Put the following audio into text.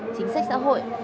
chính sách xã hội